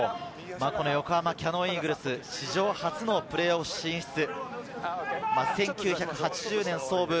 横浜キヤノンイーグルス、史上初のプレーオフ進出、１９８０年、創部。